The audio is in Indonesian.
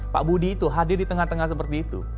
pak budi itu hadir di tengah tengah seperti itu